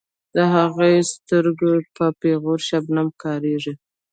د هغو سترګې په پیغور شبنم کاږي.